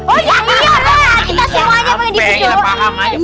oh iya iya lah kita semuanya pengen di video